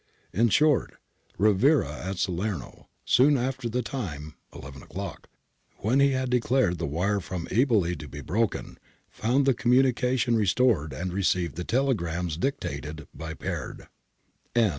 In short, Rivera at Salerno, soon after the time (eleven o'clock) when he had declared the wire from Eboli to be broken, found the communication restored and received the telegrams dictated by Peard.